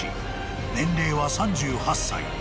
［年齢は３８歳］